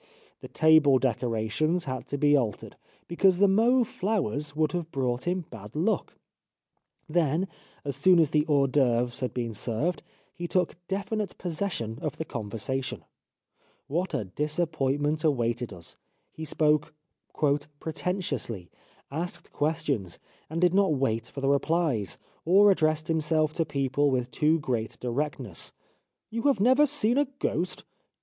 ... "The table decorations had to be altered, be cause the mauve flowers would have brought him bad luck. Then, as soon as the hors d'ceuvres had been served he took definite pos session of the conversation. What a disappoint ment awaited us. He spoke ' pretentiously,' asked questions, and did not wait for the rephes, or addressed himself to people with too great directness ;* You have never seen a ghost ?